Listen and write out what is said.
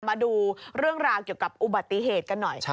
มาดูเรื่องราวเกี่ยวกับอุบัติเหตุกันหน่อย